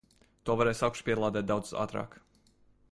To varēs augšupielādēt daudz ātrāk.